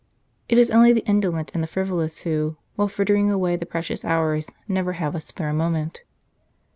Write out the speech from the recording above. It is only the indolent and the frivolous who, while frittering away the precious hours, never have a spare moment.